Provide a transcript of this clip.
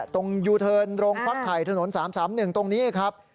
ตรงยูเทิร์นโรงพักไข่ถนน๓๓๑ตรงนี้ครับ